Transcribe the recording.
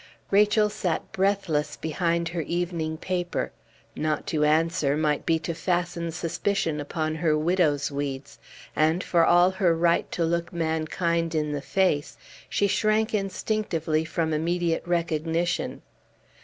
Rachel sat breathless behind her evening paper. Not to answer might be to fasten suspicion upon her widow's weeds; and, for all her right to look mankind in the face, she shrank instinctively from immediate recognition.